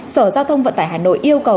sở giao thông vận tải hà nội yêu cầu